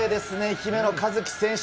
姫野和樹選手、